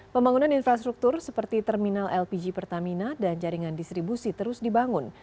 pembangunan infrastruktur seperti terminal lpg pertamina dan jaringan distribusi terus dibangun